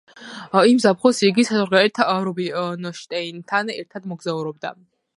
იმ ზაფხულს იგი საზღვარგარეთ რუბინშტეინთან ერთად მოგზაურობდა.